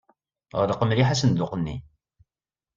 Ɣleq mliḥ asenduq-nni.